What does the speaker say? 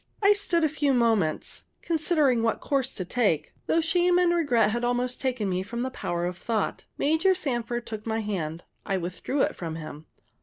I stood a few moments, considering what course to take, though shame and regret had almost taken from me the power of thought. Major Sanford took my hand. I withdrew it from him.